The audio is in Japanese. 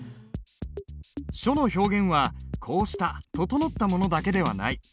書の表現はこうした整ったものだけではない。